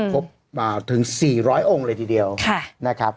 พบถึง๔๐๐องค์เลยทีเดียวนะครับ